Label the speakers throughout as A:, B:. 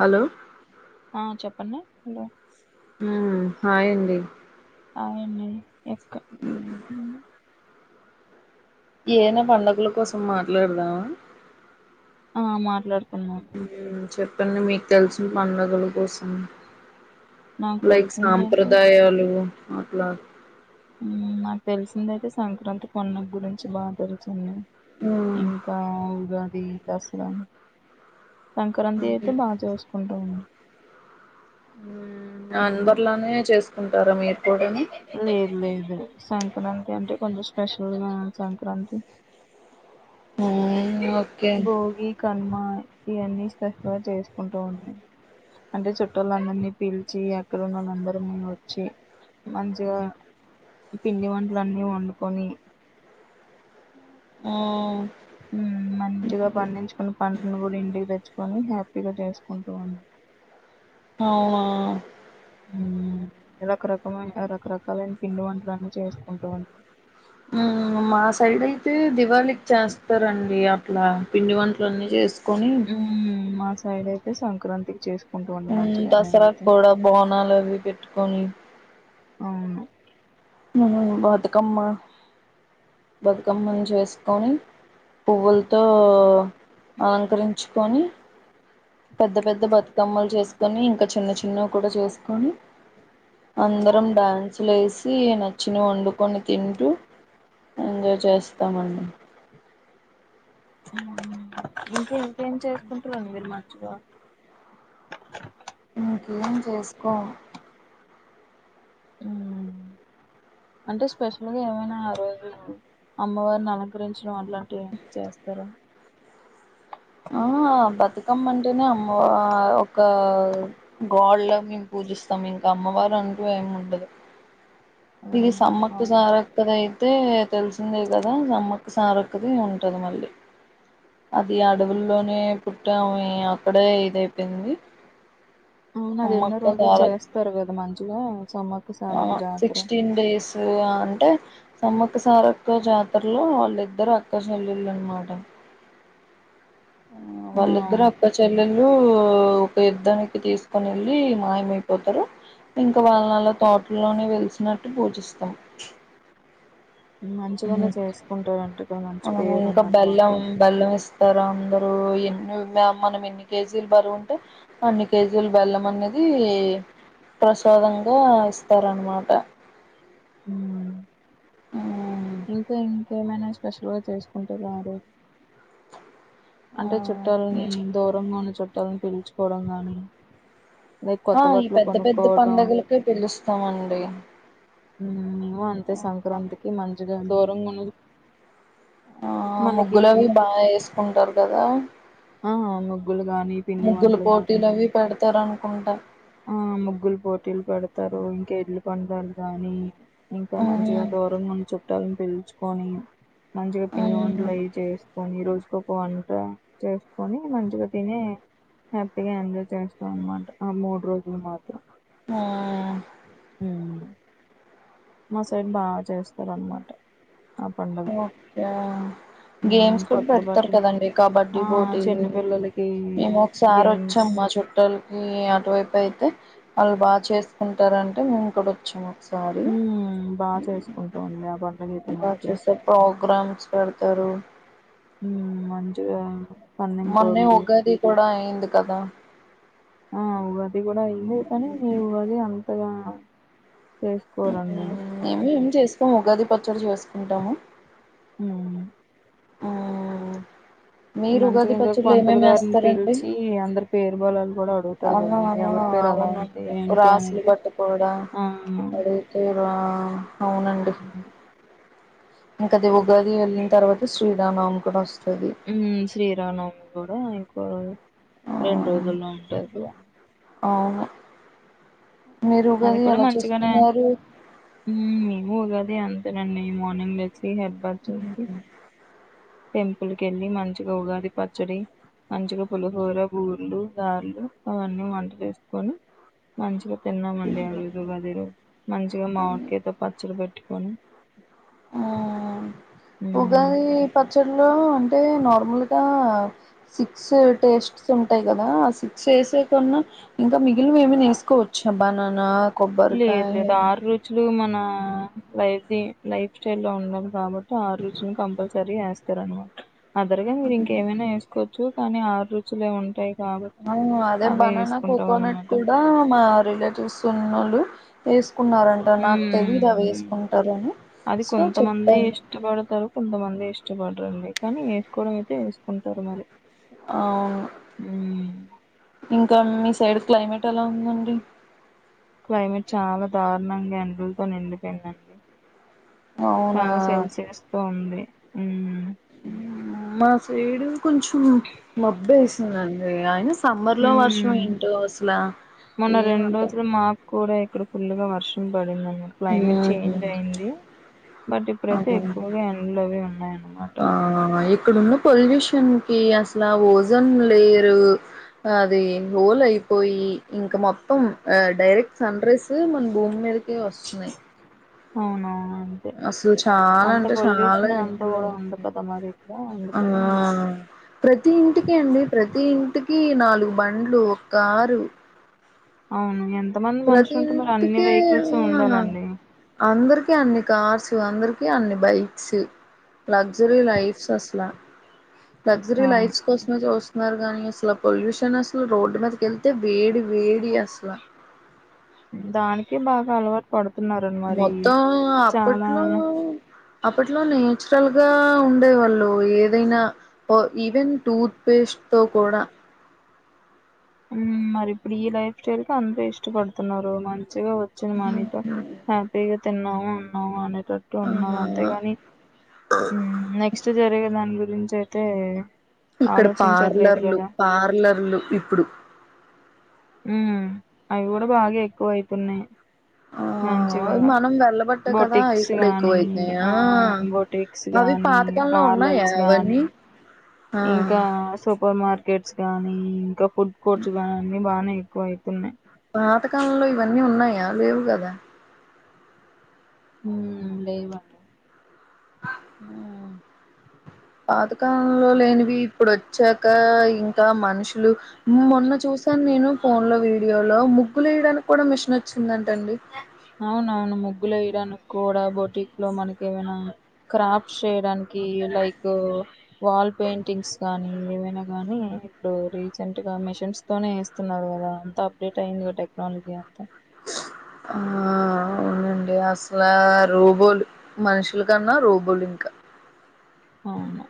A: Hello
B: పనా hello
A: మ్ hi అండి
B: hi అండి ఎక్క
A: ఉమ్ ఏనా పడగల కోసం మాట్లాడుదామ
B: ఆ మాట్లాడుకుందాం
A: కొన్ని మిక్ తెల్సిన పండుగల కోసం
B: నాకు
A: లైక్
B: తెలిసిందయితే
A: సాంప్రదాయాలు అట్లా
B: మ్ నాకు తెలిసింది అయితే సంక్రాంతి పండుగ్ గురించి బా తెలుసండి
A: మ్మ్
B: ఇంక ఉగాది దసర సంక్రాంతి
A: ఓకే
B: అయితే బా చేసుకుంటామండి
A: మ్
B: మ్,
A: అందర్లనే చేసుకుంటారా మీరు కూడా
B: అంటే అంటే కొంచెం స్పెషల్గా సంక్రాంతి
A: మ్మ్ ఓకే
B: భోగి కనుమ ఇవన్నీ స్పెషల్ గా చేసుకుంటం అండి అంటే చుట్టూల అందరినీ పీలిచి ఎక్కడన్నళ అందరము ఒచ్చి మంచిగా పిండి వంటలున్ని వండుకుని
A: ఔ
B: మ్ మంచిగా పండించుకుని పంటను కూడా ఇంటికి తెచ్చు కుని హ్యాపీగా చేసుకుంటూ ఉం
A: ఓ వ
B: మ్ రకరకమంట రకరకాలైన పిండి వంటలన్న చేసుకుంటం అండి
A: మ్ మా సైడ్ అయితే దివాళికి చేస్తారండి అట్లా పిండి వంటలన్నీ చెస్త్
B: మ్ మా సైడ్ అయితే సంక్రాంతి చేసు
A: ఉ దసరా కూడా బోనాల్ అవి పెట్టుకొని
B: అవును
A: మ్ బతుకమ్మ బతుకమ్మని చేసుకొని పువ్వుల్ తో అలంకరించుకొని పెద్ద పెద్ద బతుకమ్మల్ చేసుకొని ఇంకా చిన్న చిన్నవి కూడా చేసుకొని అందరం డాన్సులు ఏసీ నచ్చినాయి వండుకొని తింటూ ఎంజాయ్ చేస్తామండి
B: మ్ ఇంక ఇంకేం చేసుకుంటారండి మీరు మంచిగా
A: ఇంకేం చేస్కోమ్
B: మ్మ్ అంటే స్పెషల్ గా ఏమైనా ఆ రోజు అమ్మవారిని అలంకరించి అట్లాంటివి ఏమైనా చేస్తారా
A: ఆహా బతుకమ్మంటేనే అమ్మవా ఒకా గాళ్ళా మేము పూ జిస్తాం ఇంకా అమ్మవారు అంటూ ఏముండదు ఇక సమ్మక్క
B: అవును
A: సారక్కదైతే తెలిసిందే కదా సమ్మక్ సారిక్కదీ ఉంటది మళ్ళీ అదీ అడవుల్లోనే పుట్టాం ప్పుడే ఇదైపోయింది
B: అవునదెన్నో రోజులు చేస్తారు కదా మంచిగా సమ్మక్క సారక్క జాత
A: సిక్సటీన్ డేస్ అంటే సమ్మక్క సారక్క జాతర్లో వాళ్ళిద్దరు అక్కాజెల్లెళ్ళనమాట
B: ఆ
A: వాళ్ళిద్దరూ
B: అవును
A: అక్కచెల్లె ళ్ళూ ఒక యుద్ధానికి తీసుకొనెల్లీ మాయమైపోతరూ ఇంకా వాల్నలా తోట్లోనే వెలిసినట్టు పూజిస్తాం ఉహు
B: మంచిగానే చేసుకుంటారంట ఇక్కడ మంచి
A: అవునూ
B: పేరు
A: ఇంకా
B: ఉందన్నమాట
A: బెల్లం బెల్లం ఇ స్తారందరూ ఎన్ని మనం ఎన్ని కేజీలు బరువుంటే అన్ని కేజీలు బెల్లం అనేది దీ ప్రసాదంగా ఇస్తారన్మాట
B: హ్మ్మ్ ఇంకా ఎ ఏమైనా స్పెషల్గా చేస్కుంటారా మరి
A: ఆ
B: అంటే చుట్టాల్నీ దూరంగున్న చుట్టాల్నీ పీల్చుకోవడం గాని లేక
A: ఆ
B: కొత్త
A: ఈ
B: బట్టలు
A: పెద్ద పెద్ద
B: కొనుక్కోవడం
A: పండగల్కే పిలుస్తామండి
B: ఉ మేమూ అంతే సంక్రాంతికి మంచిగా
A: ఆ
B: మనకి
A: ముగ్గులవి బా ఏస్కుంటరు కదా
B: ఆ ముగ్గులు గాని పిండి వంటలు గాని
A: ముగ్గులపోటీలవి పెడ్తారనుకుంటా
B: ఆ ముగ్గుల్ పోటీలు పెడ్తారు ఇంకెడ్లు పందేలు గాని ఇంకా
A: ఆ
B: మంచిగా దూరంగున్న చుట్టాన్ని పిల్చుకొని మంచిగా పిండివంటలు అయి చేనస్కోనీ రోజు కొక వంట చేస్కోనీ మంచిగా తినీ హ్యాపీగా ఎంజాయ్ చేస్తాం అన్మాట ఆ మూడ్రోలు మాత్రం
A: హా
B: ఆ మా సైడ్ బా చేస్తారు అన్మాట
A: ఓకే
B: ఉమ్,
A: గేమ్స్ కూడ
B: కొత్త
A: పెడ్తారు
B: బట్టలు
A: కదండి
B: ఆ
A: కబడ్డీ పోటీలు
B: చిన్నపిల్లలకి
A: మేము ఒకసారి
B: గేమ్స్
A: వచ్చామం మా చుట్టాల్కీ అటువైపైతే ఆళ్ళు బాగా చేస్కూంటారంటే మేము కూడొచ్చాము ఒ స్కారీ
B: ఉమ్, బాగా చేసుకుంటాం అండి ఆ పండుగ అయితే
A: బా
B: మాత్రం
A: చూసే ప్రోగ్రామ్స్ పెడ్తరూ
B: ఉమ్ మంచిగా పన్నెం
A: మొన్నే
B: కోళ్ళు
A: ఉగాది కూడా అయింది కదా
B: ఆ ఉగాదీ కూడైంది కానీ ఈ ఉగాది అంతగా చేస్కోరండి
A: సం ఉగాది పచ్చడి జేస్కుంటామూ
B: హ్మ్
A: మీరు ఉగాది
B: మంచిగా ఇంకా
A: పచ్చళ్ళో
B: పంతులు గారిని
A: ఏమేమేస్తారండి
B: పిలిచి అందరి పేరు బలాలు కూడా అడుగుతారు కదండి
A: అన్నమన్నమా
B: ఎవరి పేరు అలా ఉంది
A: అవునండి
B: ఏంటి
A: రాసులు
B: అనేది
A: కట్టుకోడం
B: ఆ
A: అడిత్తే హా అవునండి ఇంకది ఉగాది వెళ్ళిం తర్వాత శ్రీరామ్ నవమి కూడా వస్తది
B: ఆ
A: ఆ
B: రెండ్రోజుల్లో ఉంటదిగా
A: అవును మీరు
B: అది
A: ఉగాది
B: కూడా
A: ఎలా
B: మంచిగనే
A: చేసుకున్నారు
B: మ్ ఉగా ది అంతేనండీ మర్నింగ్ లేచీ హెడ్బాత్ చేసి టెంపుల్ కెళ్ళి మంచిగా ఉగాది పచ్చడి మంచిగ పులిహోర బూర్లు గార్లు అవన్నీ వంట చేస్కోని మంచిగా తిన్నామండి ఆరోజు ఉగాది రోజు మంచిగా మామిడికాయతొ పచ్చడి పెట్టుకొని
A: హ్మ్
B: ఉమ్,
A: ఉగాది ప లో అంటే నార్మల్గా సిక్స్ టేస్ట్స్ ఉంటాయి కదా ఆ సిక్స్ వేసేకన్న ఇంకా మిగిలినావి ఎవన వేసుకోవచ్చు చ్ బననా కొబ్బరి
B: లేదు
A: కాయి
B: లేదు ఆరు రుచులు మన లైఫ్ ది లైఫ్ స్టైల్ లో ఉండం కాబట్టి ఆరురుచులు కంపల్సరీ వేస్తారనమాట ఆదరగా మీరు ఇంకేమైనా వేసుకోవచ్చు కానీ ఆరు రుచులే ఉంటాయి కాబట్టి
A: అవును అదే
B: అవే
A: బననా
B: వేసుకుంటాం
A: కోకోనట్
B: అన్నమాట
A: కూడా మా రిలేటివ్స్ ఉనోళ్ళు వేస్కున్నారంట నాకు తెలీదు అవి
B: ఉమ్.
A: వేసుకుంటారని
B: అది
A: సో
B: కొంతమంది
A: చెప్పాను
B: ఇష్టపడతారు కొంతమంది ఇష్టపడరండి కానీ వేసుకోవడం అయితే వేస్ కుంటరు మరి
A: అవును
B: హ్మ్.
A: ఇంకా మీ సైడ్ క్లైమేట్ ఎలా ఉందండి
B: క్లైమేట్ చాలా దారుణంగా ఎండల్తో నిండిపోయిందండి
A: అవునా
B: చాలా సెల్సియస్ తో ఉంది
A: ఊ మా సైడు కొంచెం మొబ్బేసిందండి అయిన సమ్మర్ లో వర్షం
B: హ్మ్.
A: ఏంటో టో అసలా
B: మొన్న
A: ఏం
B: రెండు
A: అర్థం
B: రోజులు మాకూడా ఇక్కడ ఫుల్ గా వర్షం పడిందం క్లైమేట్
A: ఉహు
B: చేంజ్ అయింది బట్ ఇప్పుడైతే
A: అదే
B: ఎక్కువగా ఎండ్లోవి ఉన్నాయన్నమాట
A: న్ కి అసలు ఓజన్లయేరు అది హోల్ అయిపోయి ఇంకా మొత్తం డైరెక్ట్ సన్రైస్ మన భూమి మీదకే వస్తున్నాయి
B: అవునవు
A: అసలు చాలా అంటే చాలా
B: అంతా కూడా ఉంది కదా మరి ఇక్కడ
A: ఆ
B: అందుకని
A: ప్రతి ఇంటికి అండి ప్రతి ఇంటికి నాలుగు బండ్లు కారు
B: అవును ఎన్
A: ప్రతి ఇంటికి ఆ
B: ఉండాలండి
A: అందర్ కి అన్ని కార్స్ అందరికి అన్ని బైక్స్ లగ్జరీ లైఫ్స్ అసలా లగ్జరీ
B: అవును
A: లైఫ్స్ కోసమే చూస్తున్నారు గని పొల్యూషన్ అసలు రోడ్ మీదకి ఏళ్తే వేడి వేడి అసల
B: దానికి బాగా అలవాటు పడు
A: మొత్తం అప్పట్లో అప్పట్లో నేచురల్ గా ఉండేవాళ్ళు ఏదైనా ఆ ఈవెన్ టూత్ పేస్ట్ తో కూడా
B: హ్మ్ మరి ఇప్పుడు ఈ లైఫ్ స్టైల్ కి అందరూ ఇష్టపడుతున్నారు మం చిగా వచ్చిన మనీతో హ్యాపీగా తిన్నామా ఉన్నామా అనే టట్టు
A: ఆ
B: ఉన్నారు అంతేగాని హ్మ్ నెక్స్ట్ జరిగే దాని గురించి అయితే
A: ఇక్కడ
B: ఆలోచించట్లేదు
A: పార్లర్లు
B: కదా
A: పార్లర్లు ఇప్పుడు
B: హ్మ్ అవి కూడా బాగా ఎక్కువైతున్నాయి
A: ఆ ఆ అ మనం వెళ్లబట్టే కదా అవి
B: బొటిక్స్
A: కూడా
B: గానీ
A: ఎక్కువైతనాయా
B: ఆ బొటిక్స్
A: అవి
B: గానీ
A: పాత లో ఉన్నాయా
B: పార్లర్స్ గానీ
A: అవన్నీ ఆ
B: ఇంకా సూపర్ మార్కెట్స్ గానీ ఇంకా ఫుడ్ కోర్ట్స్ గానీ అన్ని బానే వయితునై
A: పాతకాలం లొ ఇవన్నీ ఉన్నాయా లేవు కదా
B: హ్మ్ లేవట
A: కాదు కాలంలో లేనివి ఇప్పుడు వచ్చాక ఇంకా మనిషి లు మొన్న చూసాను నేను ఫోన్ లో వీడియో లో ముగ్గులేయడాని కూడ మిషన్ ఒచ్చిందంటండి
B: గ్గులు వేయడానికి కూడా బోటిక్ లో మనకి ఏమైనా క్రాఫ్ట్స్ చేయడానికి లైక్ వాల్ పెయింటింగ్స్ గానీ ఏవైనా గానీ ఇప్పుడు రీసెంట్ గా మిషన్స్ తోనే ఎస్త్ తున్నారు గదా అంత అప్డేట్ అయింది గా టెక్నాలజీ
A: ఆఆ అవునన్ డి అసలా రోబోలు మనుషుల కన్నా రోబోలు ఇంక
B: అవును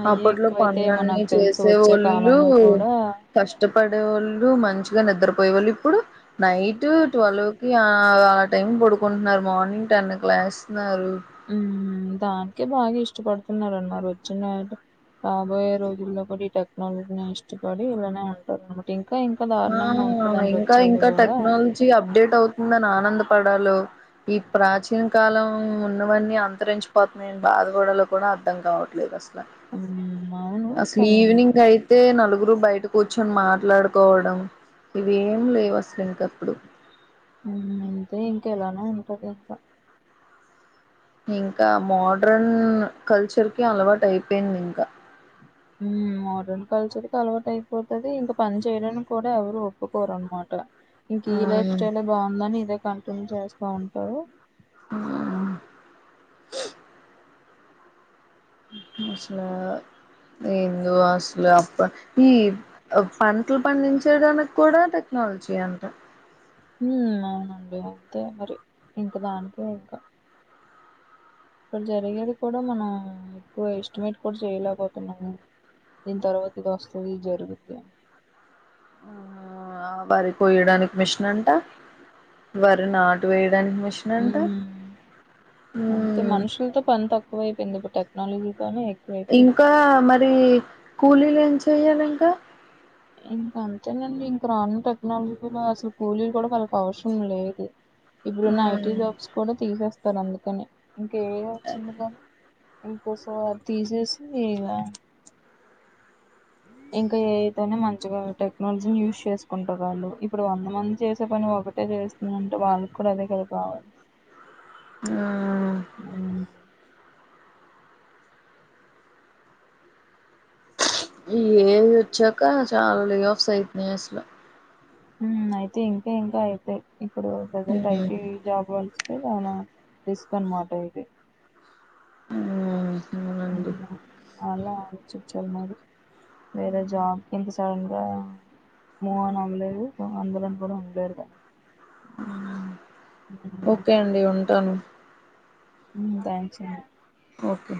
B: అయ్యే
A: అప్పట్లో
B: ఎక్కువైతె ఎమో
A: పనులన్నీ
B: నాకు తెలిసి వచ్చే కాలంలో కూడా
A: కష్టపడేవొళ్ళు మంచిగా నిద్రపోయేవళ్ళు ఇప్పుడు నైట్ ట్వల్వ్ కి ఆ ఆ అ టైం పడుకుంటున్నారు మార్నింగ్ టెన్ కు లేస్తున్నారు.
B: ఉమ్ దానికే బాగా ఇష్టపడుతున్నరు అన్నారు వచ్చినారు. రాబోయే రోజుల్లో కూడ ఈ టెక్నాలజీనె ఇష్టపడి ఇలానే ఉంటారనమాట ఇన్
A: ఆ ఇంకా ఇంకా
B: కూడా
A: టెక్నాలజీ అప్డేట్ అవుతుందని ఆనందపడాలొ ఈ ప్రాచీన కాలం ఉన్నవన్నీ అంతరించిపోతున్నయని బాధ పడాలో కూడా అర్ధం కావట్లేదు అస ల
B: ఉమ్ అవును
A: అసలు
B: కానీ
A: ఈవినింగ్ అయితే నలుగురు బయట కూర్చొని మాట్లాడు కోవడం ఇవి ఏం లేవు అసలు ఇంకప్పుడు
B: మ్ ఇంతే ఇంక ఇలానే ఉంటది ఇంక
A: ఇంకా మోడ్రాన్ కల్చర్ కి అలవాటు అయిపోయింది ఇంక
B: మ్ మోడ్రన్ కల్చర్కి అలవాటు అయిపోతది ఇంక పని చేయడానికి కూడ ఎవరు ఒప్పుకోరునమాట. ఇంక ఈ లైఫ్
A: అవును
B: స్టైలె బావుందని ఇదే కంటిన్యూ చేస్తా ఉంటారు.
A: ఉమ్ అసలు ఎందో అసలమ్ పత్తి అ పంటలు పండించేడానికి కూడా టెక్నాలజీయే అంట.
B: ఉమ్ అవునండి అంతే మరి ఇంక దానికే ఇంక ఇప్పుడు జరిగేది కూడా మనం ఎక్కువ ఎస్టిమేట్ కూడ చేయలేకపోతున్నాము. దీన్ తర్వాత ఇది వస్తది జరుగుద్ది అని
A: ఆఆ వరి కోయడానికి మిషిన్ అంట వరి నాటు వేయ దానికి మెషిన్ అంట
B: హ్మ్. అంతే
A: మ్
B: మనుషులతో పని తక్కువైపోయింది. ఇప్పుడు టెక్నాలజీతోనే ఎక్కువైపోయింది.
A: ఇంకా మరి కూలీలు ఏం చెయ్యాలి ఇంక
B: ఇంకంతేనండి ఇంక రానున్న టెక్నాలజీలో అసలు కూలీలు కూడ వాళ్ళకి అవసరం లేదు. ఇప్పుడున్న ఐటీ
A: ఉమ్
B: జాబ్స్ కూడ తీసేస్తారు అందుకని ఇంక ఏఐ ఒచ్చింది కదా. ఇంకోస అది తీసేసి లా ఇంకా ఏఐ తొనే మంచిగా టెక్నాలజీని యూజ్ చేసుకుంటరు ఆళ్ళు ఇప్పుడు వంద మంది చేసే పని ఒకటే చేస్తుందంటే వాళ్ళకి కూడ అదే కదా కావాలి.
A: ఆఆ
B: ఉమ్
A: ఈ ఏఐ వచ్చాక చాలా లే ఆఫ్స్ అయితున్నయ్ అసలు
B: మ్ అయితయ్ ఇంక ఇంకా అయితయ్ ఇప్పుడు ప్రెజెంట్
A: ఉమ్
B: ఐటీ జాబ్ వాళ్ళు [unintelligible] డిస్కౌంట్ మాట ఇది
A: ఉమ్మ్
B: ఉమ్, అలా ఆలోచిచ్చలి మరి వేరే జాబ్ ఇన్హిస్ సడన్ గా మూవ్ ఆన్ అవ్వలేదు. అందులో కూడ ఉండ్లేరు ఇగ
A: మ్ ఓకే అండి ఉంటాను.
B: మ్ థాంక్స్ అండి
A: ఓకే